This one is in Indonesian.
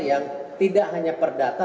yang tidak hanya perdata